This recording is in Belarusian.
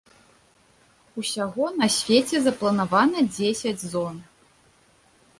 Усяго на свяце запланавана дзесяць зон.